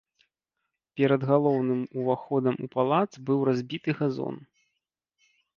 Перад галоўным уваходам у палац быў разбіты газон.